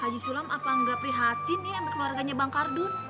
haji sulam apa nggak prihatin nih sama keluarganya bang kardun